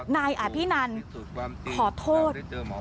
นายอภินันขอโทษ